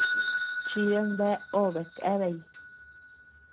Chidan bea obe keabeay.